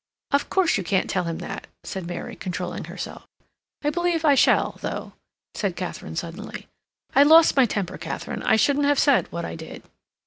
"Of course you can't tell him that," said Mary, controlling herself. "I believe I shall, though," said Katharine suddenly. "I lost my temper, Katharine; I shouldn't have said what I did."